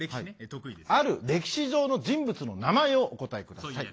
ある歴史上の人物の名前をお答えください。